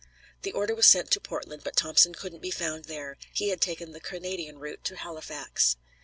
The order was sent to Portland, but Thompson couldn't be found there. He had taken the Canadian route to Halifax.